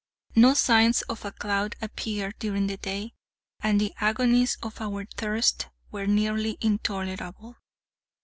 No signs of a cloud appeared during the day, and the agonies of our thirst were nearly intolerable.